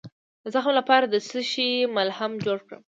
د زخم لپاره د څه شي ملهم جوړ کړم؟